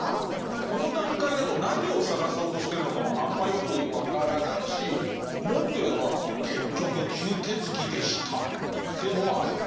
この段階だと何を探そうとしてるのかもあんまよく分からないしもっと言えば結局吸血鬼でしたっていうのはありなの？